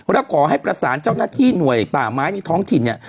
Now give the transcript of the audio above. แล้วขอให้ประสานเจ้าหน้าที่หน่วยป่าไม้ในท้องถิ่นเนี่ย